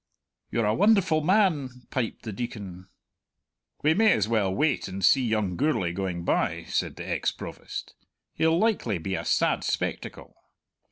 "You're a wonderful man!" piped the Deacon. "We may as well wait and see young Gourlay going by," said the ex Provost. "He'll likely be a sad spectacle."